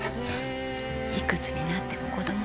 いくつになっても子どもだよ。